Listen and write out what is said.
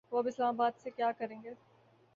وہ اب اسلام آباد سے کیا کریں گے۔